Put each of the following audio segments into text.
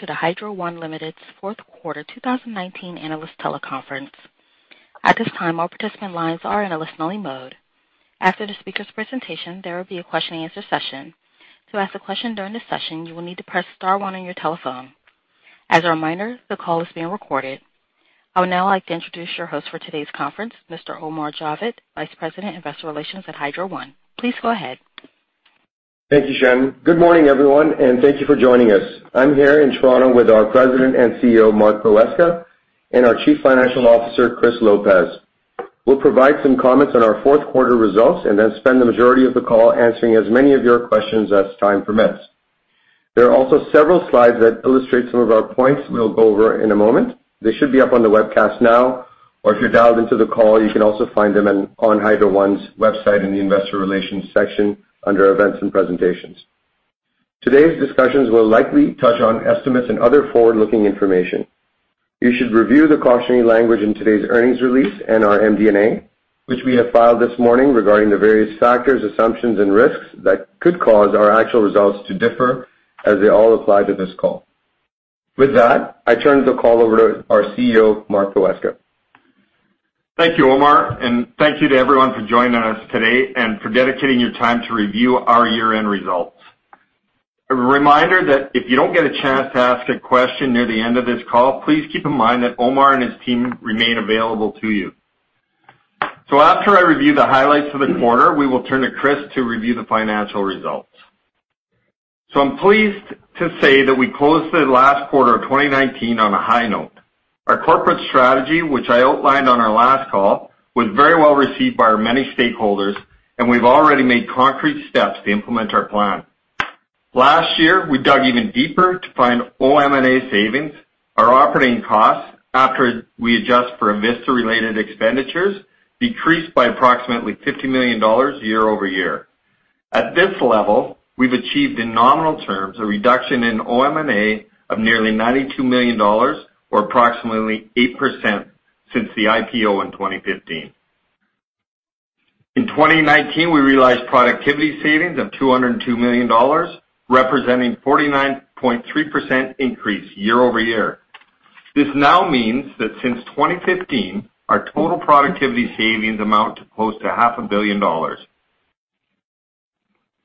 To the Hydro One Limited's fourth quarter 2019 analyst teleconference. At this time, all participant lines are in a listen-only mode. After the speaker's presentation, there will be a question and answer session. To ask a question during this session, you will need to press star one on your telephone. As a reminder, the call is being recorded. I would now like to introduce your host for today's conference, Mr. Omar Javed, Vice President, Investor Relations at Hydro One. Please go ahead. Thank you, Shannon. Good morning, everyone, and thank you for joining us. I'm here in Toronto with our President and CEO, Mark Poweska, and our Chief Financial Officer, Chris Lopez. We'll provide some comments on our fourth quarter results and spend the majority of the call answering as many of your questions as time permits. There are also several slides that illustrate some of our points we'll go over in a moment. They should be up on the webcast now, if you're dialed into the call, you can also find them on Hydro One's website in the investor relations section under events and presentations. Today's discussions will likely touch on estimates and other forward-looking information. You should review the cautionary language in today's earnings release and our MD&A, which we have filed this morning regarding the various factors, assumptions, and risks that could cause our actual results to differ as they all apply to this call. With that, I turn the call over to our CEO, Mark Poweska. Thank you, Omar, and thank you to everyone for joining us today and for dedicating your time to review our year-end results. A reminder that if you don't get a chance to ask a question near the end of this call, please keep in mind that Omar and his team remain available to you. After I review the highlights of the quarter, we will turn to Chris to review the financial results. I'm pleased to say that we closed the last quarter of 2019 on a high note. Our corporate strategy, which I outlined on our last call, was very well-received by our many stakeholders, and we've already made concrete steps to implement our plan. Last year, we dug even deeper to find OM&A savings. Our operating costs, after we adjust for Avista-related expenditures, decreased by approximately 50 million dollars year-over-year. At this level, we've achieved in nominal terms a reduction in OM&A of nearly CAD 92 million or approximately 8% since the IPO in 2015. In 2019, we realized productivity savings of 202 million dollars, representing 49.3% increase year-over-year. This now means that since 2015, our total productivity savings amount to close to half a billion CAD.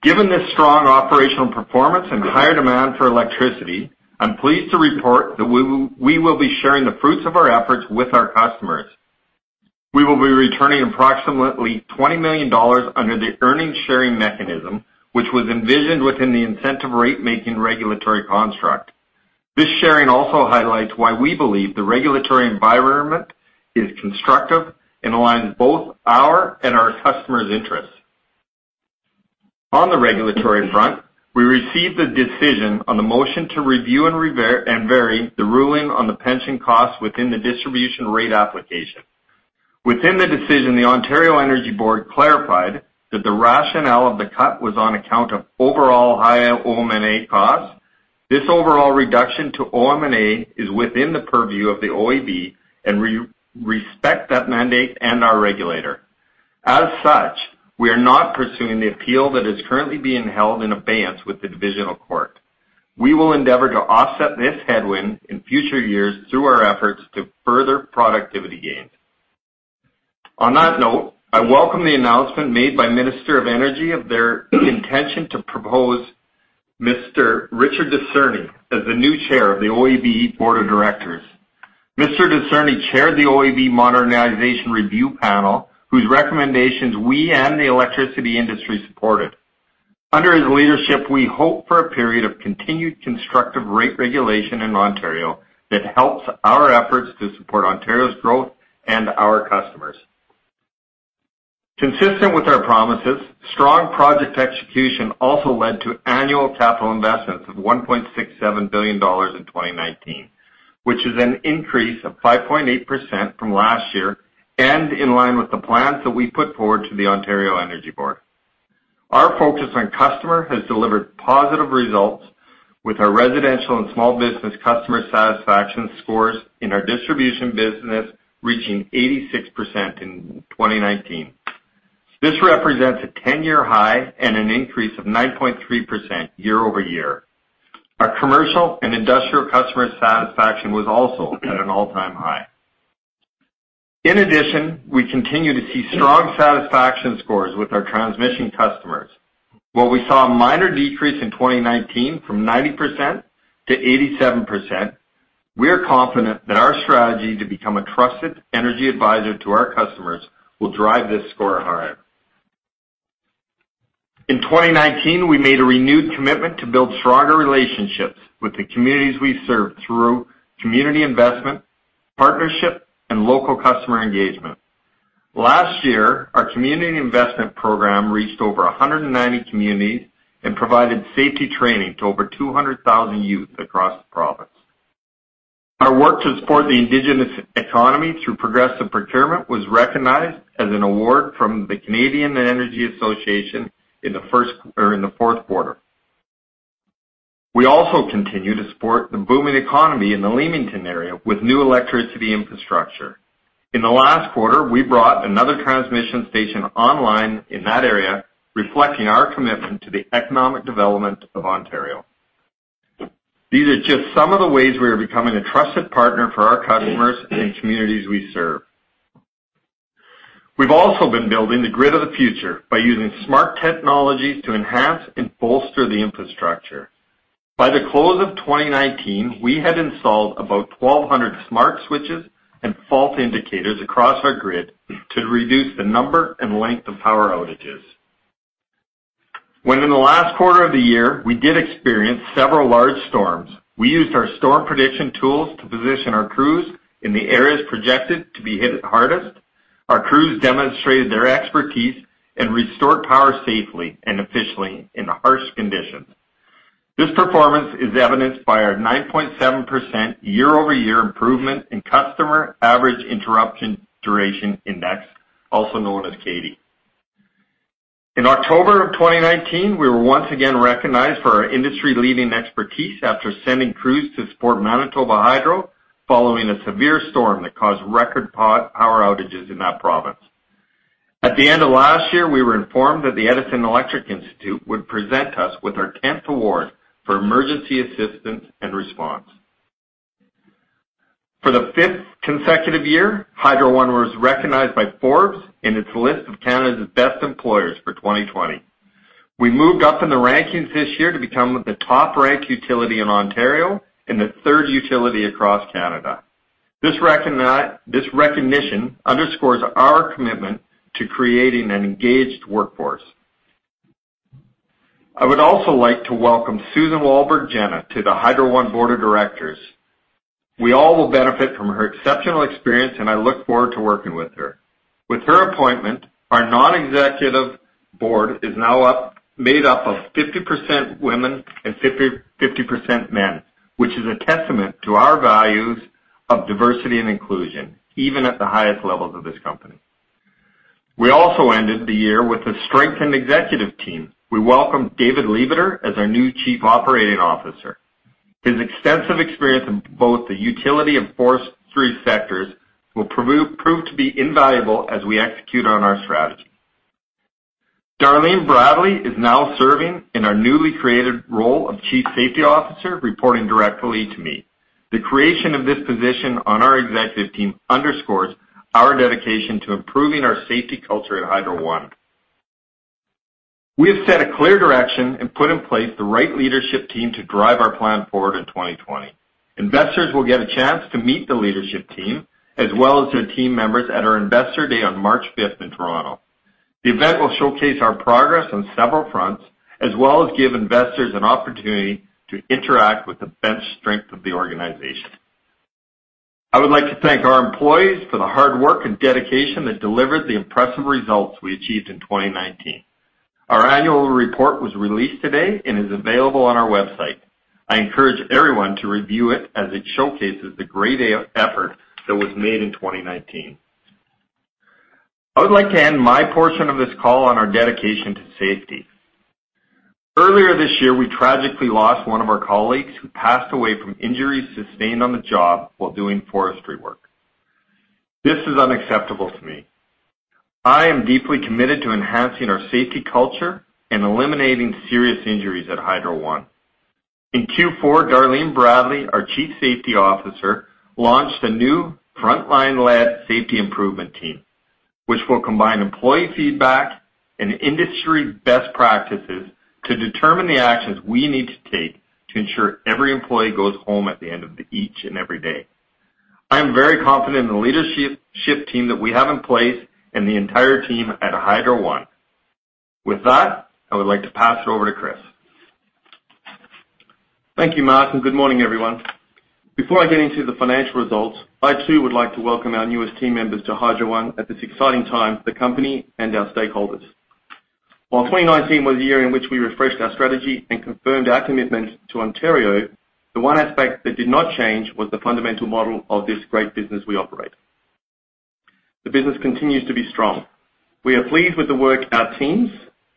Given this strong operational performance and higher demand for electricity, I'm pleased to report that we will be sharing the fruits of our efforts with our customers. We will be returning approximately 20 million dollars under the earnings sharing mechanism, which was envisioned within the incentive rate-making regulatory construct. This sharing also highlights why we believe the regulatory environment is constructive and aligns both our and our customers' interests. On the regulatory front, we received the decision on the motion to review and vary the ruling on the pension cost within the distribution rate application. Within the decision, the Ontario Energy Board clarified that the rationale of the cut was on account of overall higher OM&A costs. This overall reduction to OM&A is within the purview of the OEB and we respect that mandate and our regulator. As such, we are not pursuing the appeal that is currently being held in abeyance with the divisional court. We will endeavor to offset this headwind in future years through our efforts to further productivity gains. On that note, I welcome the announcement made by Minister of Energy of their intention to propose Mr. Richard Dicerni as the new chair of the OEB board of directors. Mr. Dicerni chaired the OEB Modernization Review Panel, whose recommendations we and the electricity industry supported. Under his leadership, we hope for a period of continued constructive rate regulation in Ontario that helps our efforts to support Ontario's growth and our customers. Consistent with our promises, strong project execution also led to annual capital investments of 1.67 billion dollars in 2019, which is an increase of 5.8% from last year and in line with the plans that we put forward to the Ontario Energy Board. Our focus on customer has delivered positive results with our residential and small business customer satisfaction scores in our distribution business reaching 86% in 2019. This represents a 10-year high and an increase of 9.3% year-over-year. Our commercial and industrial customer satisfaction was also at an all-time high. In addition, we continue to see strong satisfaction scores with our transmission customers. While we saw a minor decrease in 2019 from 90% to 87%, we are confident that our strategy to become a trusted energy advisor to our customers will drive this score higher. In 2019, we made a renewed commitment to build stronger relationships with the communities we serve through community investment, partnership, and local customer engagement. Last year, our community investment program reached over 190 communities and provided safety training to over 200,000 youth across the province. Our work to support the Indigenous economy through progressive procurement was recognized as an award from the Canadian Electricity Association in the fourth quarter. We also continue to support the booming economy in the Leamington area with new electricity infrastructure. In the last quarter, we brought another transmission station online in that area, reflecting our commitment to the economic development of Ontario. These are just some of the ways we are becoming a trusted partner for our customers and communities we serve. We've also been building the grid of the future by using smart technologies to enhance and bolster the infrastructure. By the close of 2019, we had installed about 1,200 smart switches and fault indicators across our grid to reduce the number and length of power outages. When in the last quarter of the year, we did experience several large storms. We used our storm prediction tools to position our crews in the areas projected to be hit hardest. Our crews demonstrated their expertise and restored power safely and efficiently in harsh conditions. This performance is evidenced by our 9.7% year-over-year improvement in Customer Average Interruption Duration Index, also known as CAIDI. In October of 2019, we were once again recognized for our industry-leading expertise after sending crews to support Manitoba Hydro following a severe storm that caused record power outages in that province. At the end of last year, we were informed that the Edison Electric Institute would present us with our 10th award for emergency assistance and response. For the fifth consecutive year, Hydro One was recognized by Forbes in its list of Canada's best employers for 2020. We moved up in the rankings this year to become the top-ranked utility in Ontario and the third utility across Canada. This recognition underscores our commitment to creating an engaged workforce. I would also like to welcome Susan Wolburgh Jenah to the Hydro One board of directors. We all will benefit from her exceptional experience, and I look forward to working with her. With her appointment, our non-executive board is now made up of 50% women and 50% men, which is a testament to our values of diversity and inclusion, even at the highest levels of this company. We also ended the year with a strengthened executive team. We welcomed David Lebeter as our new Chief Operating Officer. His extensive experience in both the utility and forestry sectors will prove to be invaluable as we execute on our strategy. Darlene Bradley is now serving in our newly created role of Chief Safety Officer, reporting directly to me. The creation of this position on our executive team underscores our dedication to improving our safety culture at Hydro One. We have set a clear direction and put in place the right leadership team to drive our plan forward in 2020. Investors will get a chance to meet the leadership team as well as their team members at our Investor Day on March 5th in Toronto. The event will showcase our progress on several fronts, as well as give investors an opportunity to interact with the bench strength of the organization. I would like to thank our employees for the hard work and dedication that delivered the impressive results we achieved in 2019. Our annual report was released today and is available on our website. I encourage everyone to review it as it showcases the great effort that was made in 2019. I would like to end my portion of this call on our dedication to safety. Earlier this year, we tragically lost one of our colleagues who passed away from injuries sustained on the job while doing forestry work. This is unacceptable to me. I am deeply committed to enhancing our safety culture and eliminating serious injuries at Hydro One. In Q4, Darlene Bradley, our Chief Safety Officer, launched a new frontline-led safety improvement team, which will combine employee feedback and industry best practices to determine the actions we need to take to ensure every employee goes home at the end of each and every day. I am very confident in the leadership team that we have in place and the entire team at Hydro One. With that, I would like to pass it over to Chris. Thank you, Mark, and good morning, everyone. Before I get into the financial results, I too would like to welcome our newest team members to Hydro One at this exciting time for the company and our stakeholders. While 2019 was a year in which we refreshed our strategy and confirmed our commitment to Ontario, the one aspect that did not change was the fundamental model of this great business we operate. The business continues to be strong. We are pleased with the work our teams,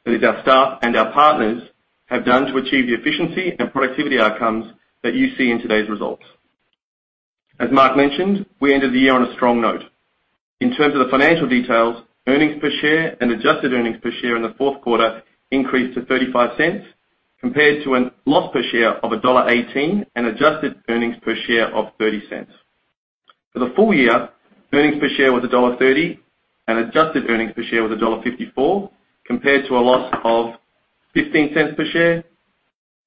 that is our staff and our partners, have done to achieve the efficiency and productivity outcomes that you see in today's results. As Mark mentioned, we ended the year on a strong note. In terms of the financial details, earnings per share and adjusted earnings per share in the fourth quarter increased to 0.35 compared to a loss per share of dollar 1.18 and adjusted earnings per share of 0.30. For the full year, earnings per share was dollar 1.30 and adjusted earnings per share was dollar 1.54, compared to a loss of 0.15 per share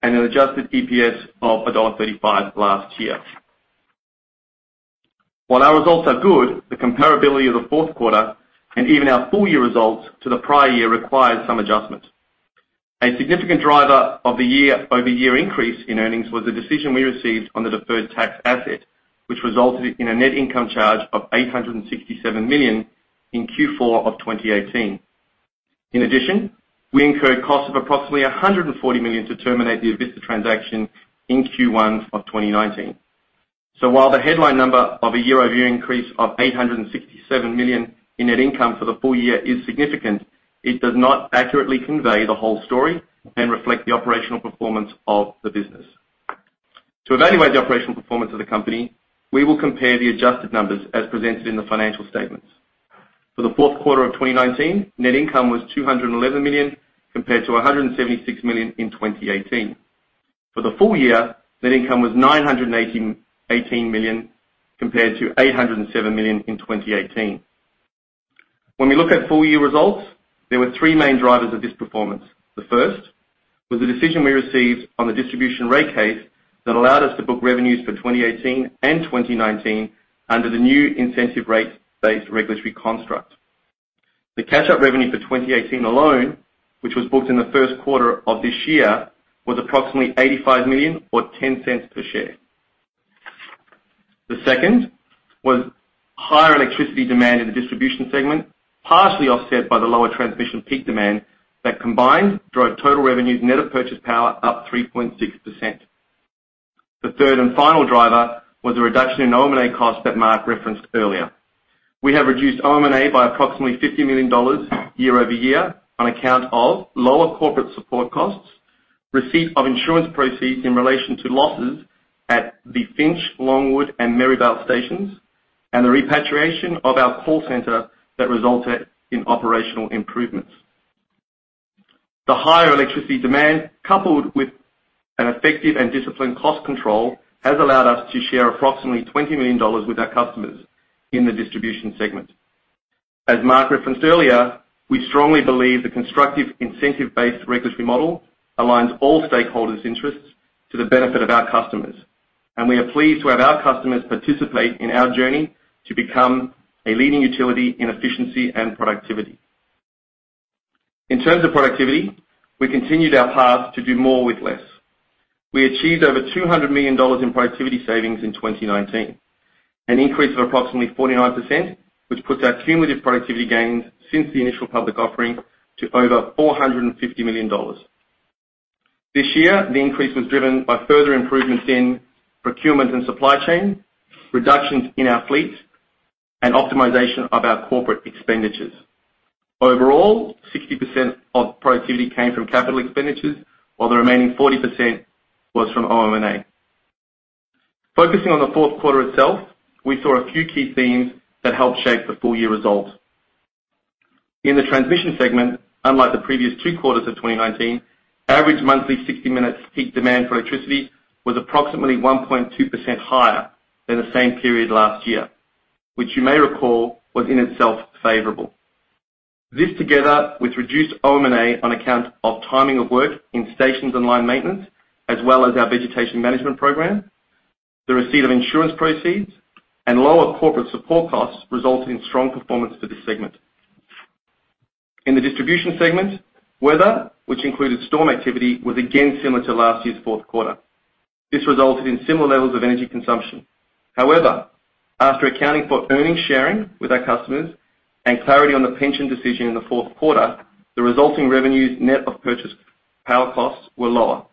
and an adjusted EPS of dollar 1.35 last year. While our results are good, the comparability of the fourth quarter and even our full-year results to the prior year required some adjustment. A significant driver of the year-over-year increase in earnings was a decision we received on the deferred tax asset, which resulted in a net income charge of CAD 867 million in Q4 of 2018. In addition, we incurred costs of approximately 140 million to terminate the Avista transaction in Q1 of 2019. While the headline number of a year-over-year increase of 867 million in net income for the full year is significant, it does not accurately convey the whole story and reflect the operational performance of the business. To evaluate the operational performance of the company, we will compare the adjusted numbers as presented in the financial statements. For the fourth quarter of 2019, net income was 211 million, compared to 176 million in 2018. For the full year, net income was 918 million, compared to 807 million in 2018. When we look at full-year results, there were three main drivers of this performance. The first was the decision we received on the distribution rate case that allowed us to book revenues for 2018 and 2019 under the new incentive rate-based regulatory construct. The catch-up revenue for 2018 alone, which was booked in the first quarter of this year, was approximately 85 million or 0.10 per share. The second was higher electricity demand in the distribution segment, partially offset by the lower transmission peak demand that combined drove total revenues net of purchase power up 3.6%. The third and final driver was a reduction in OM&A costs that Mark referenced earlier. We have reduced OM&A by approximately 50 million dollars year-over-year on account of lower corporate support costs, receipt of insurance proceeds in relation to losses at the Finch, Longwood, and Merivale stations, and the repatriation of our call center that resulted in operational improvements. The higher electricity demand, coupled with an effective and disciplined cost control, has allowed us to share approximately 20 million dollars with our customers in the distribution segment. As Mark referenced earlier, we strongly believe the constructive incentive-based regulatory model aligns all stakeholders' interests to the benefit of our customers, and we are pleased to have our customers participate in our journey to become a leading utility in efficiency and productivity. In terms of productivity, we continued our path to do more with less. We achieved over 200 million dollars in productivity savings in 2019, an increase of approximately 49%, which puts our cumulative productivity gains since the initial public offering to over 450 million dollars. This year, the increase was driven by further improvements in procurement and supply chain, reductions in our fleet, and optimization of our corporate expenditures. Overall, 60% of productivity came from capital expenditures, while the remaining 40% was from OM&A. Focusing on the fourth quarter itself, we saw a few key themes that helped shape the full-year results. In the transmission segment, unlike the previous two quarters of 2019, average monthly 60-minute peak demand for electricity was approximately 1.2% higher than the same period last year, which you may recall was in itself favorable. This together with reduced OM&A on account of timing of work in stations and line maintenance, as well as our vegetation management program, the receipt of insurance proceeds, and lower corporate support costs resulted in strong performance for this segment. In the distribution segment, weather, which included storm activity, was again similar to last year's fourth quarter. This resulted in similar levels of energy consumption. After accounting for earnings sharing with our customers and clarity on the pension decision in the fourth quarter, the resulting revenues net of purchase power costs were lower.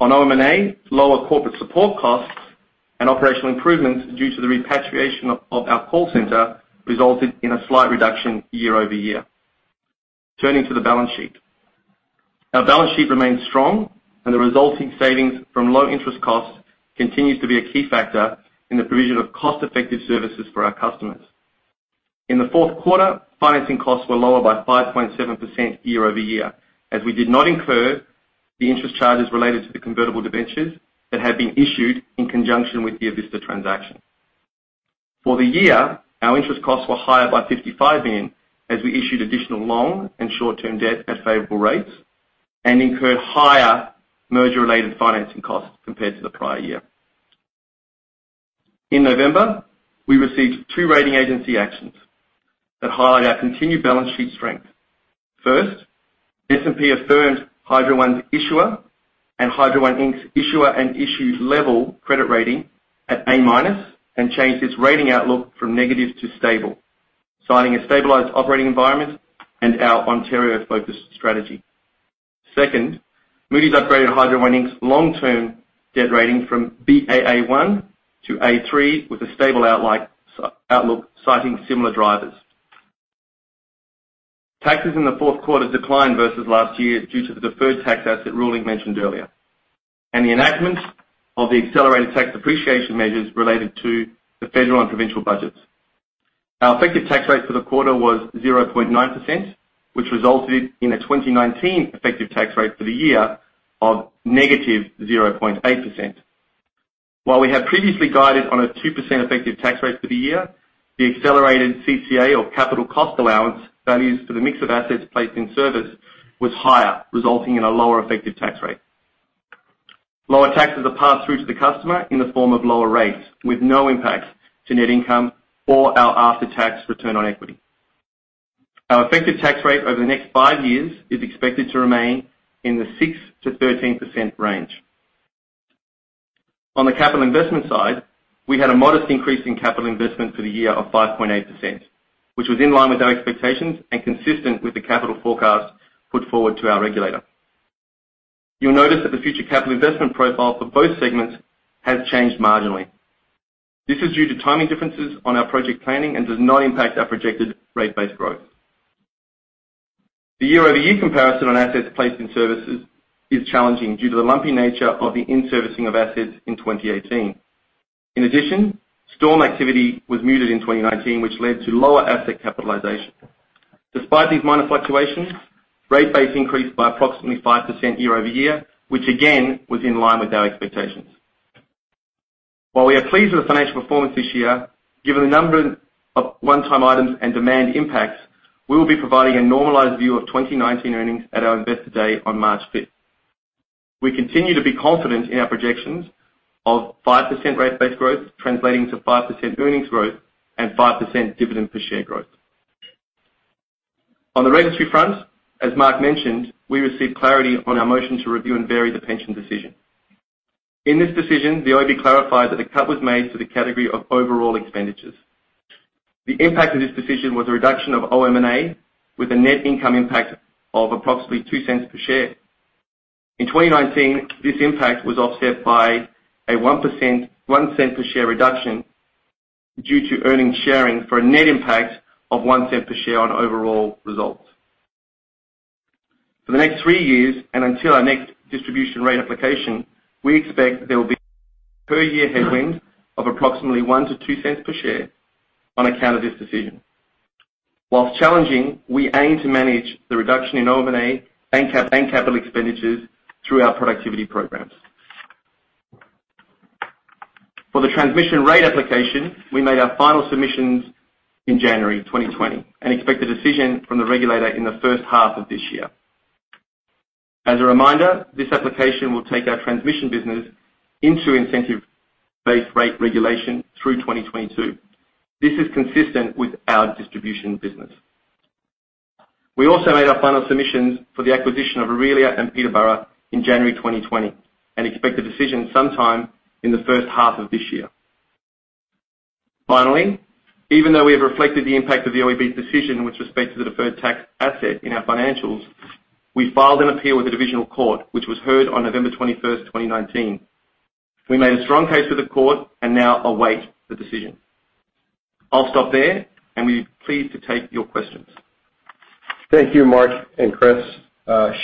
On OM&A, lower corporate support costs and operational improvements due to the repatriation of our call center resulted in a slight reduction year-over-year. Turning to the balance sheet. Our balance sheet remains strong and the resulting savings from low interest costs continues to be a key factor in the provision of cost-effective services for our customers. In the fourth quarter, financing costs were lower by 5.7% year-over-year, as we did not incur the interest charges related to the convertible debentures that had been issued in conjunction with the Avista transaction. For the year, our interest costs were higher by CAD 55 million, as we issued additional long and short-term debt at favorable rates and incurred higher merger-related financing costs compared to the prior year. In November, we received two rating agency actions that highlight our continued balance sheet strength First, S&P affirmed Hydro One's issuer and Hydro One Inc.'s issuer and issued level credit rating at A- and changed its rating outlook from negative to stable, citing a stabilized operating environment and our Ontario-focused strategy. Second, Moody's upgraded Hydro One Inc.'s long-term debt rating from Baa1 to A3 with a stable outlook, citing similar drivers. Taxes in the fourth quarter declined versus last year due to the deferred tax asset ruling mentioned earlier and the enactment of the accelerated tax depreciation measures related to the federal and provincial budgets. Our effective tax rate for the quarter was 0.9%, which resulted in a 2019 effective tax rate for the year of -0.8%. While we have previously guided on a 2% effective tax rate for the year, the accelerated CCA, or capital cost allowance, values for the mix of assets placed in service was higher, resulting in a lower effective tax rate. Lower taxes are passed through to the customer in the form of lower rates, with no impact to net income or our after-tax return on equity. Our effective tax rate over the next five years is expected to remain in the 6%-13% range. On the capital investment side, we had a modest increase in capital investment for the year of 5.8%, which was in line with our expectations and consistent with the capital forecast put forward to our regulator. You'll notice that the future capital investment profile for both segments has changed marginally. This is due to timing differences on our project planning and does not impact our projected rate base growth. The year-over-year comparison on assets placed in services is challenging due to the lumpy nature of the in-servicing of assets in 2018. In addition, storm activity was muted in 2019, which led to lower asset capitalization. Despite these minor fluctuations, rate base increased by approximately 5% year-over-year, which again, was in line with our expectations. While we are pleased with the financial performance this year, given the number of one-time items and demand impacts, we will be providing a normalized view of 2019 earnings at our Investor Day on March 5th. We continue to be confident in our projections of 5% rate base growth translating to 5% earnings growth and 5% dividend per share growth. On the registry front, as Mark mentioned, we received clarity on our motion to review and vary the pension decision. In this decision, the OEB clarified that the cut was made to the category of overall expenditures. The impact of this decision was a reduction of OM&A with a net income impact of approximately 0.02 per share. In 2019, this impact was offset by a 1% 0.01 per share reduction due to earnings sharing for a net impact of 0.01 per share on overall results. For the next three years and until our next distribution rate application, we expect there will be per share headwind of approximately 0.01-0.02 per share on account of this decision. Whilst challenging, we aim to manage the reduction in OM&A and capital expenditures through our productivity programs. For the transmission rate application, we made our final submissions in January 2020 and expect a decision from the regulator in the first half of this year. As a reminder, this application will take our transmission business into incentive-based rate regulation through 2022. This is consistent with our distribution business. We also made our final submissions for the acquisition of Orillia and Peterborough in January 2020 and expect a decision sometime in the first half of this year. Finally, even though we have reflected the impact of the OEB's decision with respect to the deferred tax asset in our financials, we filed an appeal with the divisional court, which was heard on November 21st, 2019. We made a strong case with the court and now await the decision. I'll stop there, and we'd be pleased to take your questions. Thank you, Mark and Chris.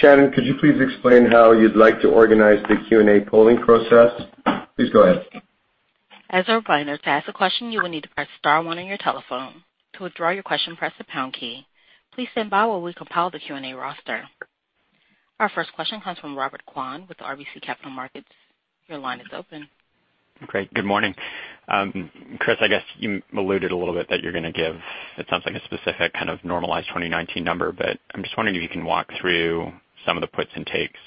Shannon, could you please explain how you'd like to organize the Q&A polling process? Please go ahead. As a reminder, to ask a question, you will need to press star one on your telephone. To withdraw your question, press the pound key. Please stand by while we compile the Q&A roster. Our first question comes from Robert Kwan with RBC Capital Markets. Your line is open. Great. Good morning. Chris, I guess you alluded a little bit that you're going to give, it sounds like, a specific kind of normalized 2019 number, but I'm just wondering if you can walk through some of the puts and takes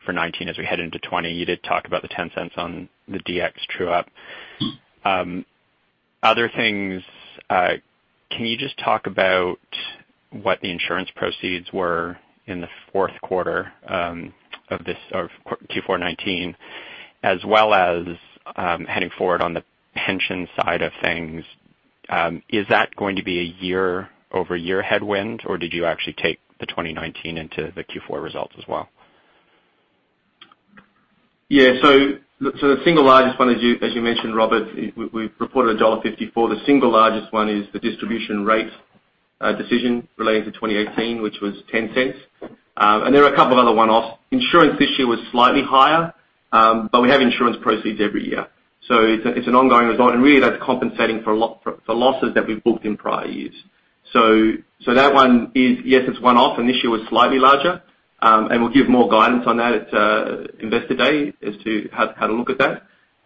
for 2019 as we head into 2020. You did talk about the 0.10 on the Dx true-up. Other things, can you just talk about what the insurance proceeds were in the fourth quarter of Q4 2019, as well as, heading forward on the pension side of things, is that going to be a year-over-year headwind, or did you actually take the 2019 into the Q4 results as well? Yeah. The single largest one, as you mentioned, Robert, we've reported dollar 1.54. The single largest one is the distribution rate decision relating to 2018, which was 0.10. There are a couple of other one-offs. Insurance this year was slightly higher, but we have insurance proceeds every year, so it's an ongoing result. Really that's compensating for losses that we booked in prior years. That one is, yes, it's one-off, and this year was slightly larger. We'll give more guidance on that at Investor Day as to have a look at that.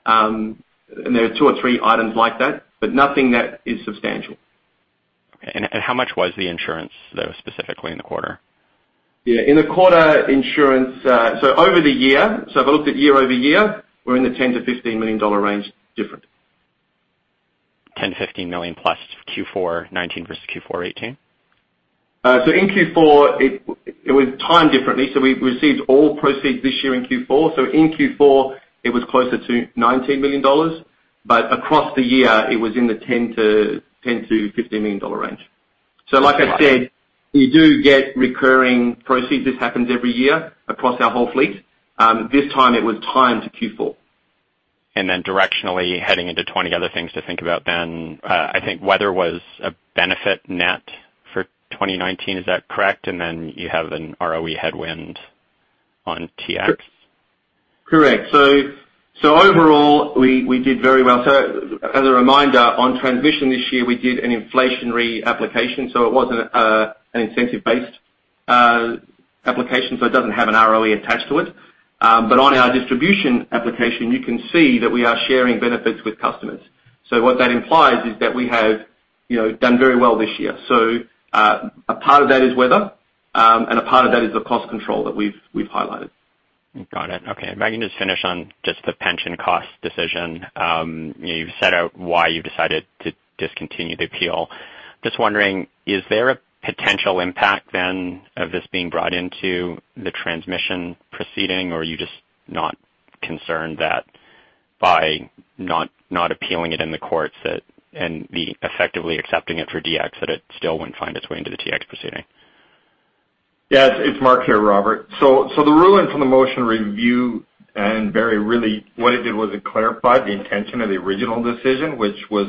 There are two or three items like that, but nothing that is substantial. Okay. How much was the insurance, though, specifically in the quarter? In the quarter so over the year, so if I looked at year-over-year, we're in the 10 million-15 million dollar range different. 10 million-15 million+ Q4 2019 versus Q4 2018? In Q4, it was timed differently. We received all proceeds this year in Q4. In Q4, it was closer to 19 million dollars, but across the year, it was in the 10 million-15 million dollar range. Like I said, you do get recurring proceeds. This happens every year across our whole fleet. This time it was timed to Q4. Directionally heading into 2020, other things to think about then, I think weather was a benefit net for 2019. Is that correct? You have an ROE headwind on TX. Correct. Overall, we did very well. As a reminder, on transmission this year, we did an inflationary application, so it wasn't an incentive-based application, so it doesn't have an ROE attached to it. On our distribution application, you can see that we are sharing benefits with customers. What that implies is that we have done very well this year. A part of that is weather, and a part of that is the cost control that we've highlighted. Got it. Okay. If I can just finish on just the pension cost decision. You've set out why you decided to discontinue the appeal. Just wondering, is there a potential impact then of this being brought into the transmission proceeding, or are you just not concerned that by not appealing it in the courts and effectively accepting it for DX, that it still wouldn't find its way into the TX proceeding? Yes, it's Mark here, Robert. The ruling from the motion review and vary really what it did was it clarified the intention of the original decision, which was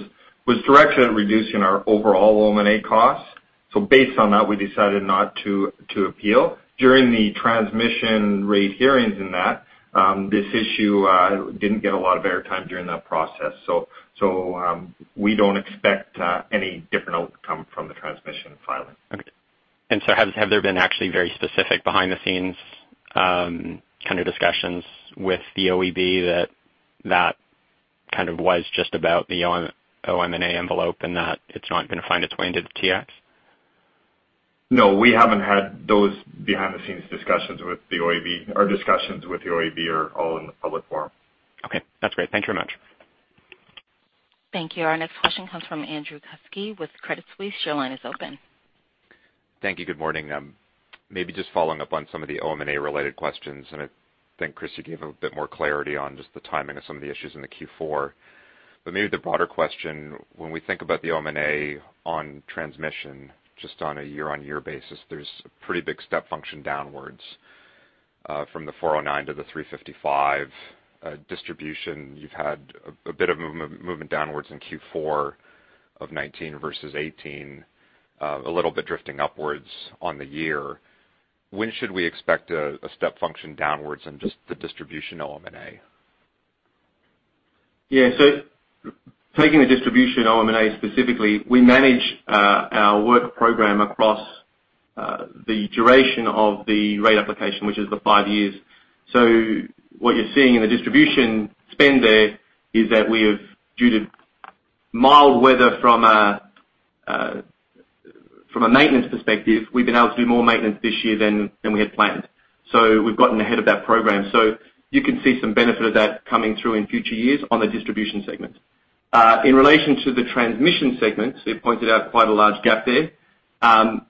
directed at reducing our overall OM&A costs. Based on that, we decided not to appeal. During the transmission rate hearings and that, this issue didn't get a lot of air time during that process. We don't expect any different outcome from the transmission filing. Okay. Have there been actually very specific behind-the-scenes kind of discussions with the OEB that kind of was just about the OM&A envelope and that it's not going to find its way into the TX? No, we haven't had those behind-the-scenes discussions with the OEB. Our discussions with the OEB are all in the public forum. Okay, that's great. Thank you very much. Thank you. Our next question comes from Andrew Kuske with Credit Suisse. Your line is open. Thank you. Good morning. Maybe just following up on some of the OM&A-related questions, I think Chris, you gave a bit more clarity on just the timing of some of the issues in the Q4. Maybe the broader question, when we think about the OM&A on transmission just on a year-on-year basis, there's a pretty big step function downwards, from the 409 to the 355 distribution. You've had a bit of movement downwards in Q4 of 2019 versus 2018, a little bit drifting upwards on the year. When should we expect a step function downwards in just the distribution OM&A? Yeah. Taking the distribution OM&A specifically, we manage our work program across the duration of the rate application, which is the five years. What you're seeing in the distribution spend there is that we have, due to mild weather from a maintenance perspective, we've been able to do more maintenance this year than we had planned. We've gotten ahead of that program. You can see some benefit of that coming through in future years on the distribution segment. In relation to the transmission segment, so you pointed out quite a large gap there.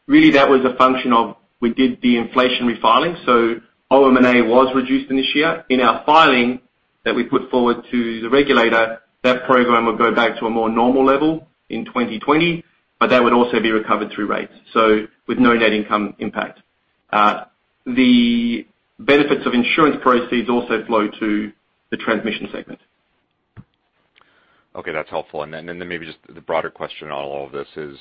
Really that was a function of we did the inflationary filing, so OM&A was reduced in this year. In our filing that we put forward to the regulator, that program would go back to a more normal level in 2020, but that would also be recovered through rates, so with no net income impact. The benefits of insurance proceeds also flow to the transmission segment. Okay, that's helpful. Maybe just the broader question on all of this is,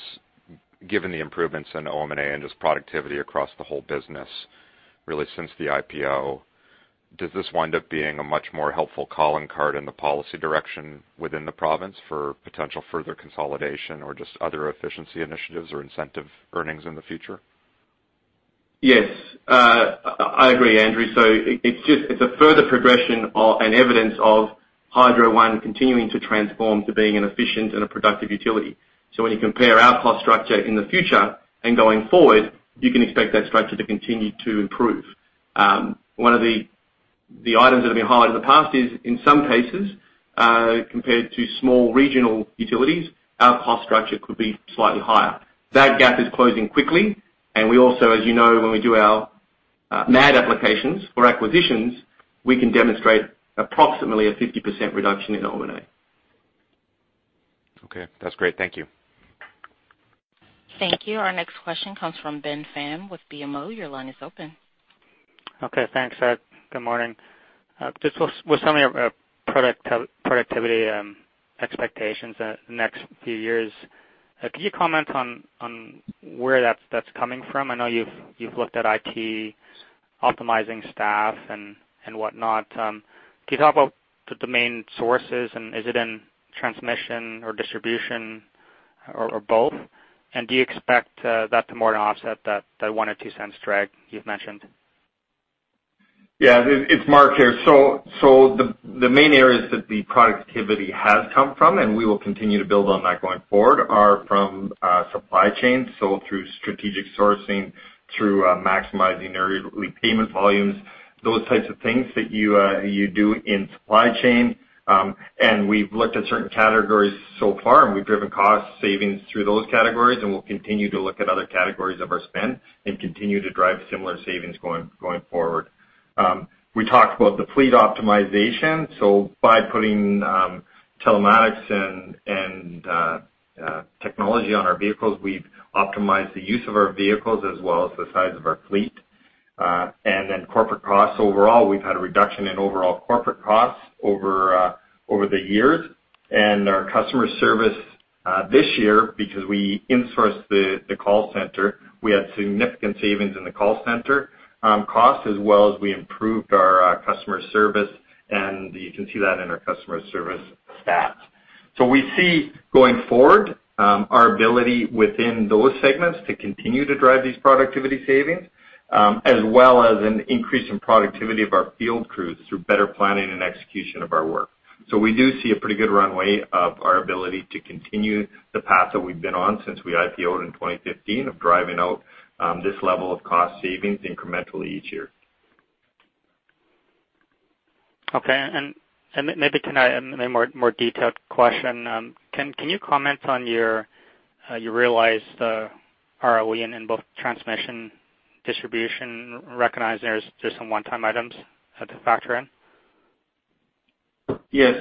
given the improvements in OM&A and just productivity across the whole business really since the IPO, does this wind up being a much more helpful calling card in the policy direction within the province for potential further consolidation or just other efficiency initiatives or incentive earnings in the future? Yes. I agree, Andrew. It's a further progression and evidence of Hydro One continuing to transform to being an efficient and a productive utility. When you compare our cost structure in the future and going forward, you can expect that structure to continue to improve. One of the items that have been hard in the past is, in some cases, compared to small regional utilities, our cost structure could be slightly higher. That gap is closing quickly, and we also, as you know, when we do our MAADs applications for acquisitions, we can demonstrate approximately a 50% reduction in OM&A. Okay. That's great. Thank you. Thank you. Our next question comes from Ben Pham with BMO. Your line is open. Okay, thanks. Good morning. Just with some of your productivity expectations the next few years, could you comment on where that's coming from? I know you've looked at IT optimizing staff and whatnot. Can you talk about the main sources, and is it in transmission or distribution or both? Do you expect that to more than offset that 0.01-0.02 drag you've mentioned? Yeah. It's Mark here. The main areas that the productivity has come from, we will continue to build on that going forward, are from supply chain. Through strategic sourcing, through maximizing early payment volumes, those types of things that you do in supply chain. We've looked at certain categories so far, and we've driven cost savings through those categories, and we'll continue to look at other categories of our spend and continue to drive similar savings going forward. We talked about the fleet optimization. By putting telematics and technology on our vehicles, we've optimized the use of our vehicles as well as the size of our fleet. Then corporate costs overall. We've had a reduction in overall corporate costs over the years. Our customer service, this year, because we insourced the call center, we had significant savings in the call center cost, as well as we improved our customer service, and you can see that in our customer service stats. We see going forward, our ability within those segments to continue to drive these productivity savings, as well as an increase in productivity of our field crews through better planning and execution of our work. We do see a pretty good runway of our ability to continue the path that we've been on since we IPO'd in 2015 of driving out this level of cost savings incrementally each year. Okay. Maybe a more detailed question. Can you comment on your realized ROE in both transmission, distribution, recognizing there is some one-time items to factor in? Yes.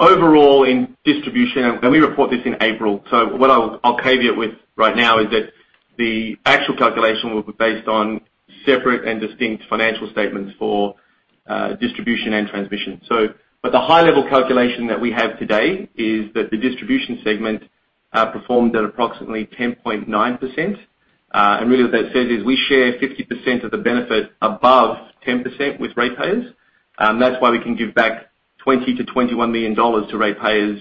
Overall in distribution, and we report this in April, what I'll caveat with right now is that the actual calculation will be based on separate and distinct financial statements for distribution and transmission. The high-level calculation that we have today is that the distribution segment performed at approximately 10.9%. Really what that says is we share 50% of the benefit above 10% with ratepayers. That's why we can give back 20 million-21 million dollars to ratepayers,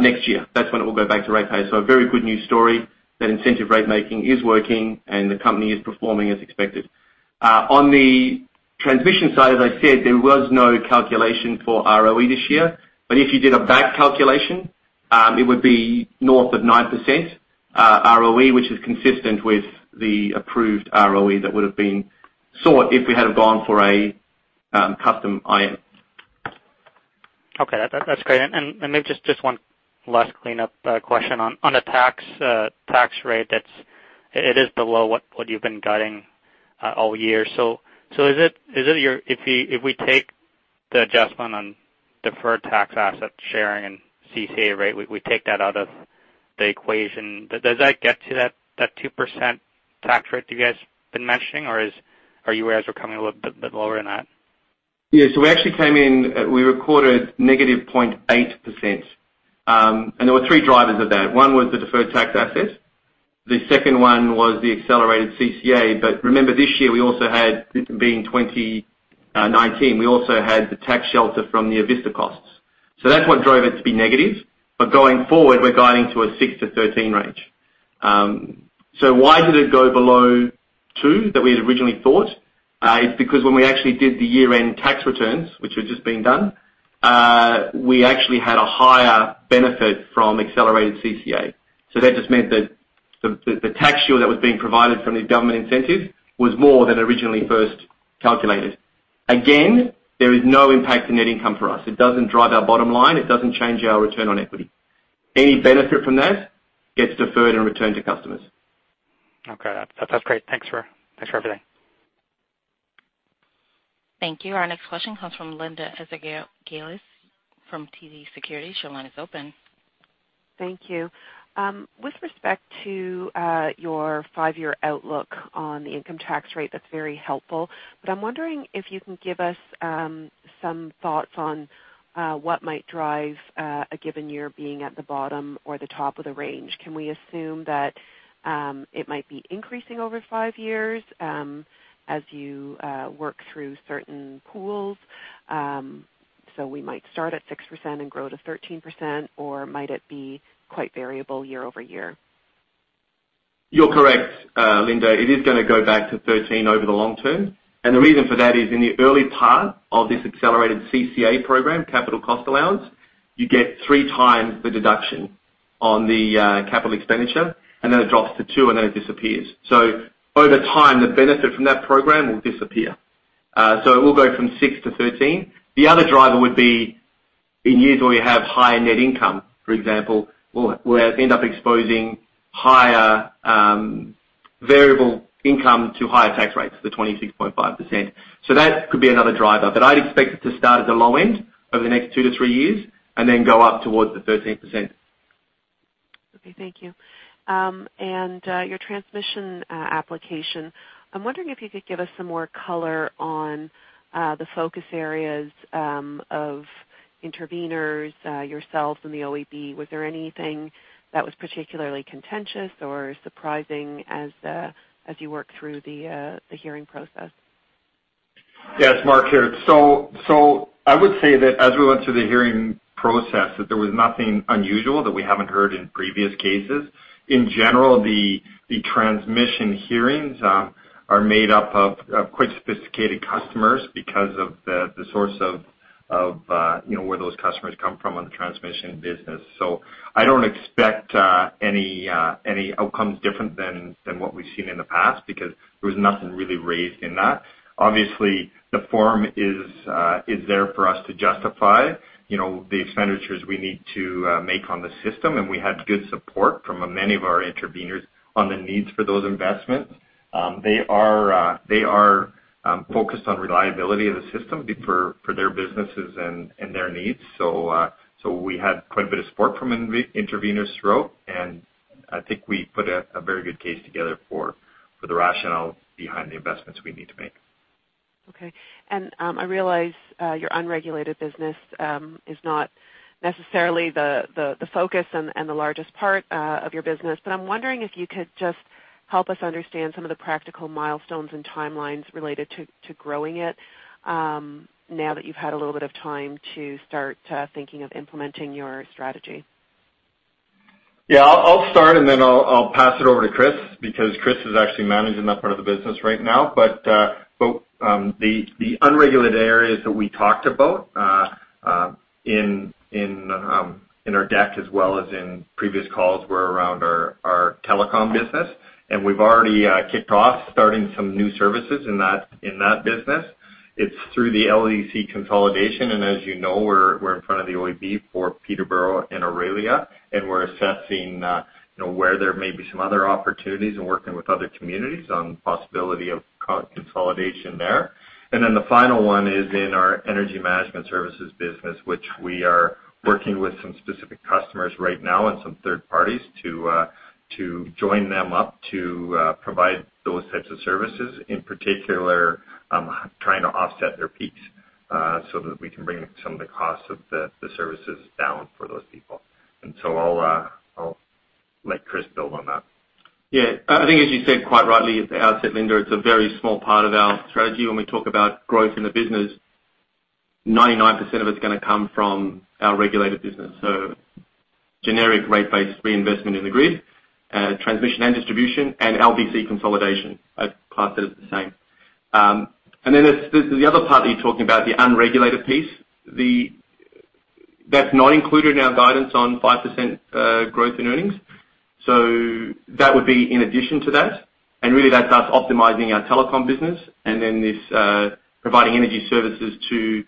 next year. That's when it will go back to ratepayers. A very good news story that incentive rate-making is working and the company is performing as expected. On the transmission side, as I said, there was no calculation for ROE this year. If you did a back calculation, it would be north of 9% ROE, which is consistent with the approved ROE that would have been sought if we had have gone for a Custom IR. Okay. That's great. Maybe just one last cleanup question on the tax rate. It is below what you've been guiding all year. If we take the adjustment on deferred tax asset sharing and CCA rate, we take that out of the equation, does that get to that 2% tax rate you guys been mentioning, or are you guys coming a little bit lower than that? We actually came in, we recorded -0.8%, and there were three drivers of that. One was the deferred tax asset. The second one was the accelerated CCA. Remember this year we actually had, this being 2019, we also had the tax shelter from the Avista costs. That's what drove it to be negative. Going forward, we're guiding to a 6%-13% range. Why did it go below two that we had originally thought? It's because when we actually did the year-end tax returns, which were just being done, we actually had a higher benefit from accelerated CCA. That just meant that the tax shield that was being provided from the government incentive was more than originally first calculated. Again, there is no impact to net income for us. It doesn't drive our bottom line. It doesn't change our return on equity. Any benefit from that gets deferred and returned to customers. Okay. That's great. Thanks for everything. Thank you. Our next question comes from Linda Ezergailis from TD Securities. Your line is open. Thank you. With respect to your five-year outlook on the income tax rate, that's very helpful. I'm wondering if you can give us some thoughts on what might drive a given year being at the bottom or the top of the range. Can we assume that it might be increasing over five years as you work through certain pools, so we might start at 6% and grow to 13%? Might it be quite variable year-over-year? You're correct, Linda. It is going to go back to 13% over the long term. The reason for that is in the early part of this accelerated CCA program, capital cost allowance, you get three times the deduction on the capital expenditure, and then it drops to two, and then it disappears. Over time, the benefit from that program will disappear. It will go from 6%-13%. The other driver would be in years where we have higher net income, for example, where it would end up exposing higher variable income to higher tax rates, the 26.5%. That could be another driver. I'd expect it to start at the low end over the next two to three years and then go up towards the 13%. Okay, thank you. Your transmission application. I'm wondering if you could give us some more color on the focus areas of intervenors, yourselves, and the OEB. Was there anything that was particularly contentious or surprising as you worked through the hearing process? Yes, Mark here. I would say that as we went through the hearing process, that there was nothing unusual that we haven't heard in previous cases. In general, the transmission hearings are made up of quite sophisticated customers because of the source of where those customers come from on the transmission business. I don't expect any outcomes different than what we've seen in the past, because there was nothing really raised in that. Obviously, the form is there for us to justify the expenditures we need to make on the system, and we had good support from many of our intervenors on the needs for those investments. They are focused on reliability of the system for their businesses and their needs. We had quite a bit of support from intervenors throughout, and I think we put a very good case together for the rationale behind the investments we need to make. Okay. I realize your unregulated business is not necessarily the focus and the largest part of your business. I'm wondering if you could just help us understand some of the practical milestones and timelines related to growing it now that you've had a little bit of time to start thinking of implementing your strategy. Yeah, I'll start. Then I'll pass it over to Chris, because Chris is actually managing that part of the business right now. The unregulated areas that we talked about in our deck as well as in previous calls were Telecom business, and we've already kicked off starting some new services in that business. It is through the LDC consolidation, and as you know, we are in front of the OEB for Peterborough and Orillia, and we are assessing where there may be some other opportunities and working with other communities on the possibility of consolidation there. The final one is in our energy management services business, which we are working with some specific customers right now and some third parties to join them up to provide those types of services. In particular, trying to offset their peaks, so that we can bring some of the costs of the services down for those people. I'll let Chris build on that. Yeah. I think, as you said quite rightly at the outset, Linda, it's a very small part of our strategy. When we talk about growth in the business, 99% of it's going to come from our regulated business. Generic rate-based reinvestment in the grid, transmission and distribution, and LDC consolidation. I'd class it as the same. Then the other part that you're talking about, the unregulated piece, that's not included in our guidance on 5% growth in earnings. That would be in addition to that. Really that's us optimizing our telecom business and then this providing energy services to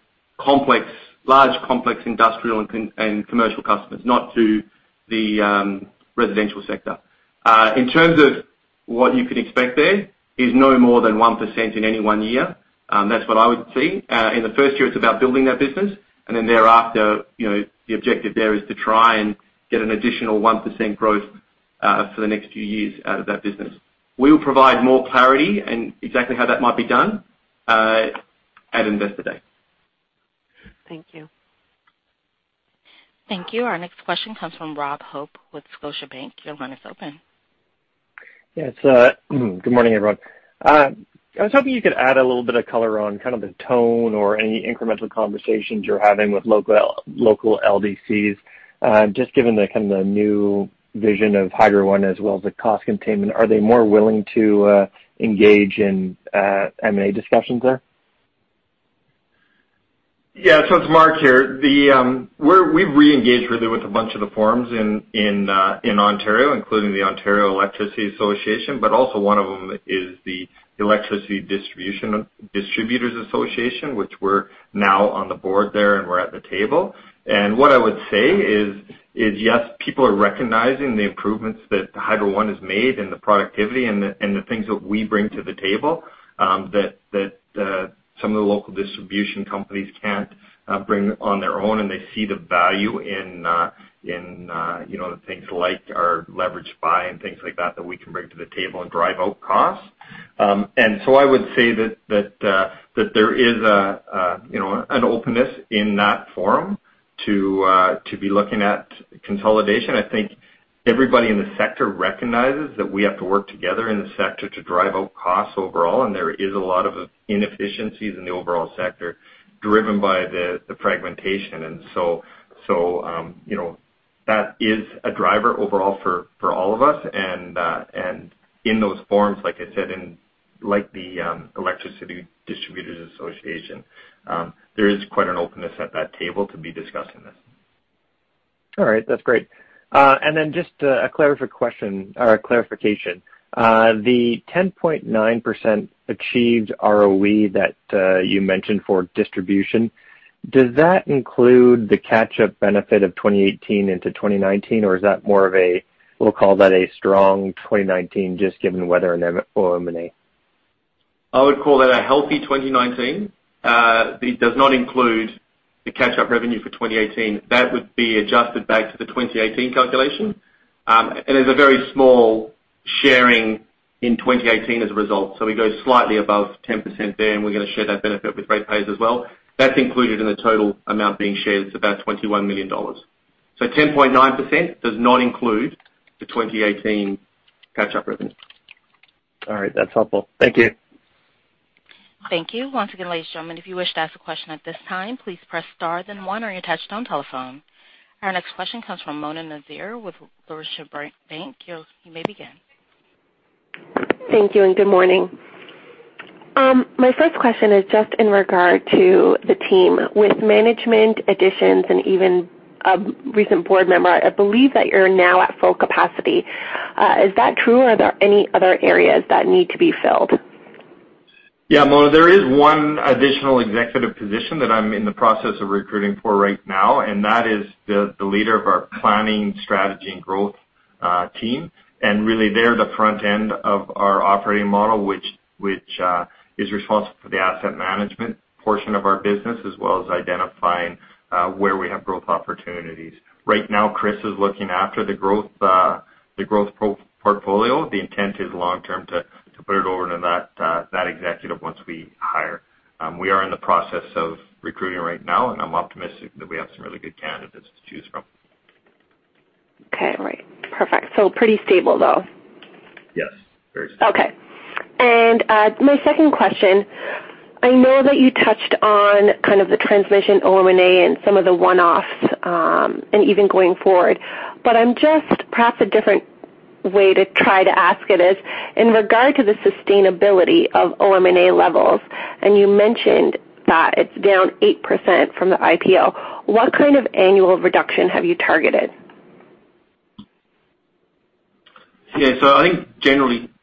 large, complex industrial and commercial customers, not to the residential sector. In terms of what you can expect there is no more than 1% in any one year. That's what I would see. In the first year, it's about building that business, and then thereafter, the objective there is to try and get an additional 1% growth for the next few years out of that business. We will provide more clarity in exactly how that might be done at Investor Day. Thank you. Thank you. Our next question comes from Rob Hope with Scotiabank. Your line is open. Yes. Good morning, everyone. I was hoping you could add a little bit of color on kind of the tone or any incremental conversations you're having with local LDCs, just given the new vision of Hydro One as well as the cost containment. Are they more willing to engage in M&A discussions there? Yeah. It's Mark here. We've reengaged really with a bunch of the forums in Ontario, including the Ontario Energy Association, but also one of them is the Electricity Distributors Association, which we're now on the board there and we're at the table. What I would say is, yes, people are recognizing the improvements that Hydro One has made and the productivity and the things that we bring to the table that some of the local distribution companies can't bring on their own, and they see the value in things like our leveraged buying and things like that we can bring to the table and drive out costs. I would say that there is an openness in that forum to be looking at consolidation. I think everybody in the sector recognizes that we have to work together in the sector to drive out costs overall, and there is a lot of inefficiencies in the overall sector driven by the fragmentation. That is a driver overall for all of us. In those forums, like I said, in the Electricity Distributors Association, there is quite an openness at that table to be discussing this. All right. That's great. Then just a clarification question or a clarification. The 10.9% achieved ROE that you mentioned for distribution, does that include the catch-up benefit of 2018 into 2019, or is that more of a, we'll call that a strong 2019 just given the weather and the OM&A? I would call that a healthy 2019. It does not include the catch-up revenue for 2018. That would be adjusted back to the 2018 calculation. There's a very small sharing in 2018 as a result. We go slightly above 10% there, and we're going to share that benefit with rate payers as well. That's included in the total amount being shared, it's about 21 million dollars. 10.9% does not include the 2018 catch-up revenue. All right. That's helpful. Thank you. Thank you. Once again, ladies and gentlemen, if you wish to ask a question at this time, please press star then one on your touchtone telephone. Our next question comes from Mona Nazir with Laurentian Bank. You may begin. Thank you and good morning. My first question is just in regard to the team. With management additions and even a recent board member, I believe that you're now at full capacity. Is that true, or are there any other areas that need to be filled? Mona, there is one additional executive position that I'm in the process of recruiting for right now, and that is the leader of our planning, strategy, and growth team. Really they're the front end of our operating model, which is responsible for the asset management portion of our business, as well as identifying where we have growth opportunities. Right now, Chris is looking after the growth portfolio. The intent is long-term to put it over to that executive once we hire. We are in the process of recruiting right now, and I'm optimistic that we have some really good candidates to choose from. Okay. All right. Perfect. Pretty stable, though. Yes. Very stable. Okay. My second question, I know that you touched on kind of the transmission OM&A and some of the one-offs, and even going forward, but perhaps a different way to try to ask it is in regard to the sustainability of OM&A levels, and you mentioned that it's down 8% from the IPO. What kind of annual reduction have you targeted? I think generally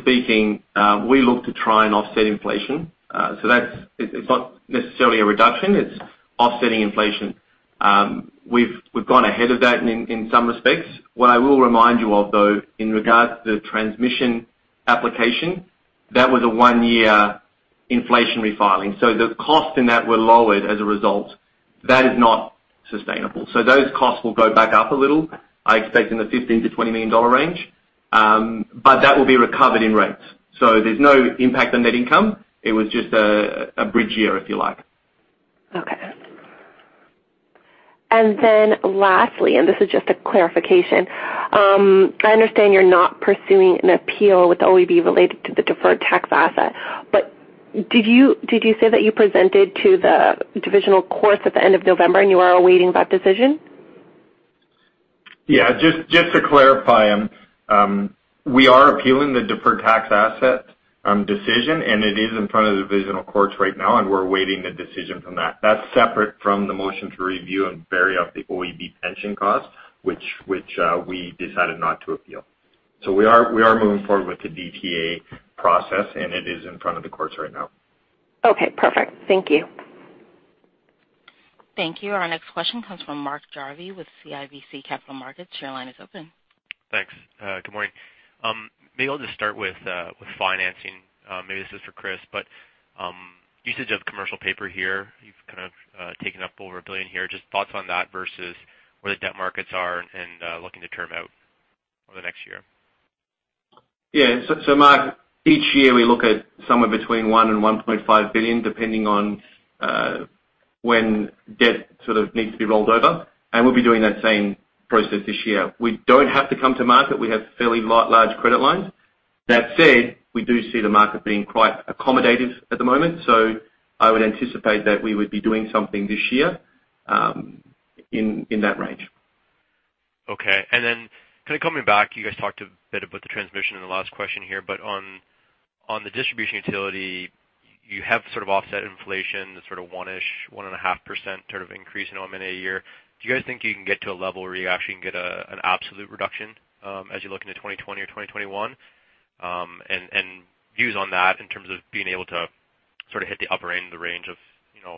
speaking, we look to try and offset inflation. It's not necessarily a reduction, it's offsetting inflation. We've gone ahead of that in some respects. What I will remind you of, though, in regards to the transmission application, that was a one-year inflationary filing. The costs in that were lowered as a result. That is not sustainable. Those costs will go back up a little, I expect in the 15 million-20 million dollar range. That will be recovered in rates. There's no impact on net income. It was just a bridge year, if you like. Okay. Lastly, and this is just a clarification, I understand you're not pursuing an appeal with OEB related to the deferred tax asset, but did you say that you presented to the divisional courts at the end of November and you are awaiting that decision? Just to clarify, we are appealing the deferred tax asset decision, and it is in front of the divisional courts right now, and we're awaiting a decision from that. That's separate from the motion to review and vary up the OEB pension cost, which we decided not to appeal. We are moving forward with the DTA process, and it is in front of the courts right now. Okay, perfect. Thank you. Thank you. Our next question comes from Mark Jarvi with CIBC Capital Markets. Your line is open. Thanks. Good morning. Maybe I'll just start with financing. Maybe this is for Chris, but usage of commercial paper here, you've kind of taken up over 1 billion here. Just thoughts on that versus where the debt markets are and looking to term out over the next year. Yeah. Mark, each year we look at somewhere between 1 billion and 1.5 billion, depending on when debt sort of needs to be rolled over, and we'll be doing that same process this year. We don't have to come to market. We have fairly large credit lines. That said, we do see the market being quite accommodative at the moment, so I would anticipate that we would be doing something this year in that range. Kind of coming back, you guys talked a bit about the transmission in the last question here, but on the distribution utility, you have sort of offset inflation, the sort of one-ish, 1.5% increase in OM&A a year. Do you guys think you can get to a level where you actually can get an absolute reduction as you look into 2020 or 2021? Views on that in terms of being able to sort of hit the upper end of the range of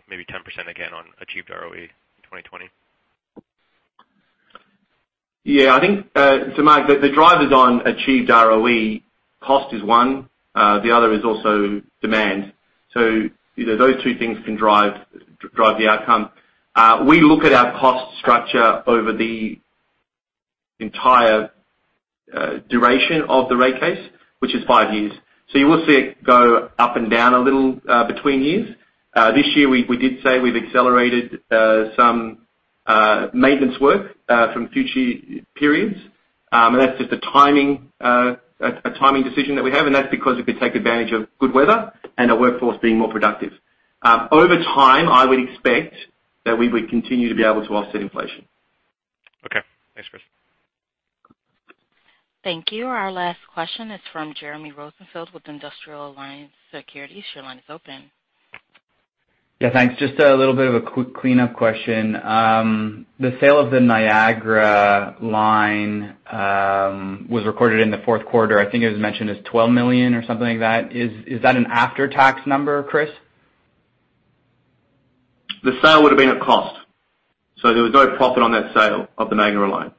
maybe 10% again on achieved ROE in 2020? Yeah. Mark, the drivers on achieved ROE cost is one. The other is also demand. Those two things can drive the outcome. We look at our cost structure over the entire duration of the rate case, which is five years. You will see it go up and down a little between years. This year, we did say we've accelerated some maintenance work from future periods. That's just a timing decision that we have, and that's because we could take advantage of good weather and our workforce being more productive. Over time, I would expect that we would continue to be able to offset inflation. Okay. Thanks, Chris. Thank you. Our last question is from Jeremy Rosenfield with Industrial Alliance Securities. Your line is open. Yeah, thanks. Just a little bit of a quick cleanup question. The sale of the Niagara line was recorded in the fourth quarter. I think it was mentioned as 12 million or something like that. Is that an after-tax number, Chris? The sale would have been a cost. There was no profit on that sale of the Niagara line.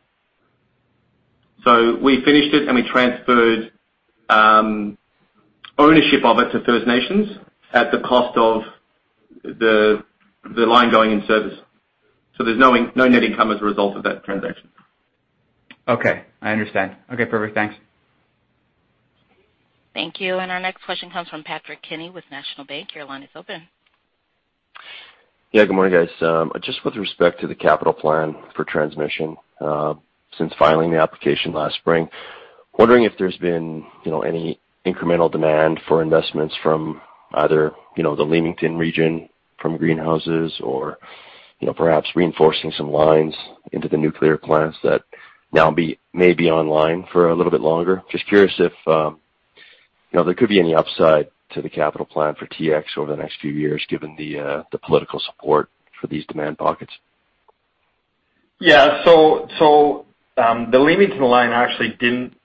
We finished it and we transferred ownership of it to First Nations at the cost of the line going in service. There's no net income as a result of that transaction. Okay, I understand. Okay, perfect. Thanks. Thank you. Our next question comes from Patrick Kenny with National Bank. Your line is open. Good morning, guys. Just with respect to the capital plan for transmission, since filing the application last spring, wondering if there's been any incremental demand for investments from either the Leamington region from greenhouses or perhaps reinforcing some lines into the nuclear plants that now may be online for a little bit longer. Just curious if there could be any upside to the capital plan for TX over the next few years given the political support for these demand pockets. Yeah. The Leamington line actually didn't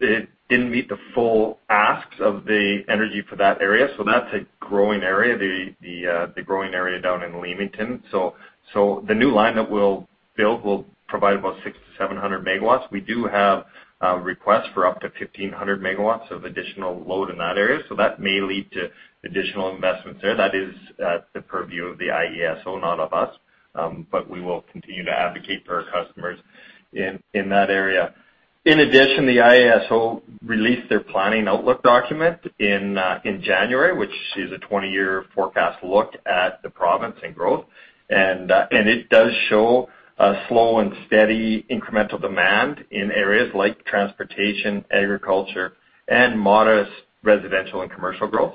meet the full asks of the energy for that area. That's a growing area, the growing area down in Leamington. The new line that we'll build will provide about 6-700 MW. We do have requests for up to 1,500 MW of additional load in that area. That may lead to additional investments there. That is at the purview of the IESO, not of us. We will continue to advocate for our customers in that area. In addition, the IESO released their planning outlook document in January, which is a 20-year forecast look at the province and growth. It does show a slow and steady incremental demand in areas like transportation, agriculture, and modest residential and commercial growth.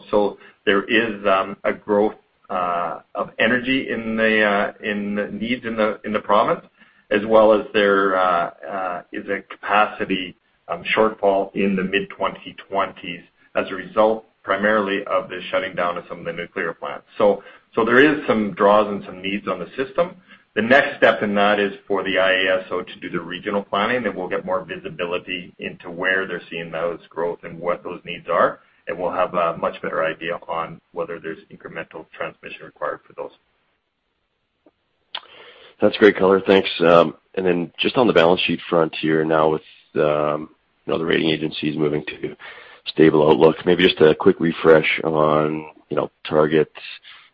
There is a growth of energy in the needs in the province as well as there is a capacity shortfall in the mid-2020s as a result primarily of the shutting down of some of the nuclear plants. There is some draws and some needs on the system. step in that is for the IESO to do the regional planning. We'll get more visibility into where they're seeing those growth and what those needs are, and we'll have a much better idea on whether there's incremental transmission required for those. That's great color. Thanks. Then just on the balance sheet front here now with the rating agencies moving to stable outlook, maybe just a quick refresh on targets,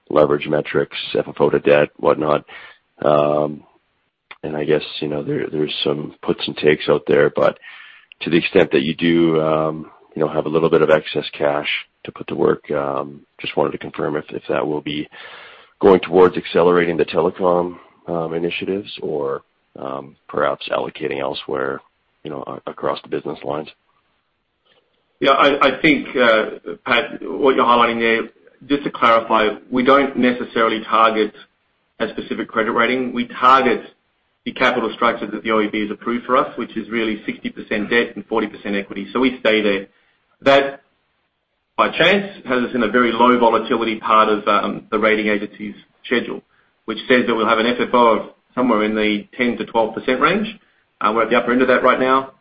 leverage metrics, FFO to debt, whatnot. I guess, there's some puts and takes out there, but to the extent that you do have a little bit of excess cash to put to work, just wanted to confirm if that will be going towards accelerating the telecom initiatives or perhaps allocating elsewhere, across the business lines. Yeah, I think, Pat, what you're highlighting there, just to clarify, we don't necessarily target a specific credit rating. We target the capital structure that the OEB has approved for us, which is really 60% debt and 40% equity. We stay there. That, by chance, has us in a very low volatility part of the rating agency's schedule, which says that we'll have an FFO of somewhere in the 10%-12% range. We're at the upper end of that right now.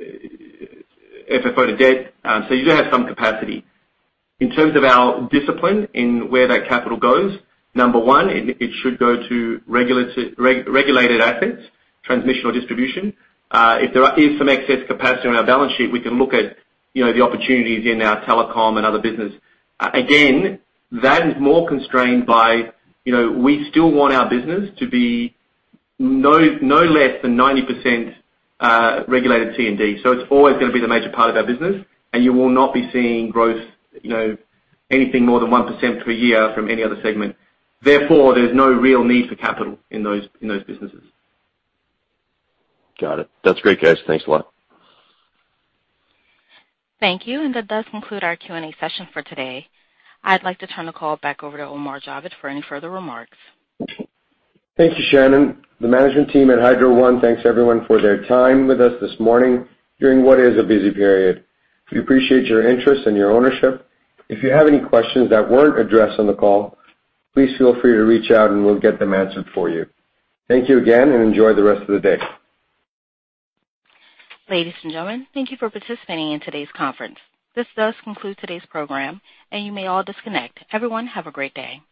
FFO to debt, you do have some capacity. In terms of our discipline in where that capital goes, number one, it should go to regulated assets, transmission or distribution. If there is some excess capacity on our balance sheet, we can look at the opportunities in our telecom and other business. Again, that is more constrained by we still want our business to be no less than 90% regulated T&D. It's always going to be the major part of our business, and you will not be seeing growth, anything more than 1% per year from any other segment. Therefore, there's no real need for capital in those businesses. Got it. That's great, guys. Thanks a lot. Thank you, and that does conclude our Q&A session for today. I'd like to turn the call back over to Omar Javed for any further remarks. Thank you, Shannon. The management team at Hydro One thanks everyone for their time with us this morning during what is a busy period. We appreciate your interest and your ownership. If you have any questions that weren't addressed on the call, please feel free to reach out and we'll get them answered for you. Thank you again, and enjoy the rest of the day. Ladies and gentlemen, thank you for participating in today's conference. This does conclude today's program, and you may all disconnect. Everyone, have a great day.